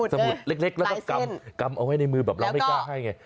สมุดเล็กแล้วก็กำเอาไว้ในมือแบบเราไม่กล้าให้ไง